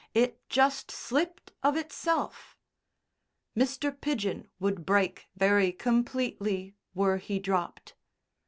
It just slipped of itself!" Mr. Pidgen would break very completely were he dropped.